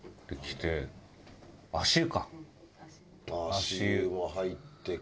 足湯も入ってか。